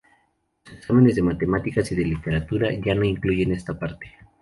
Los exámenes de matemáticas y de literatura ya no incluyen esta parte.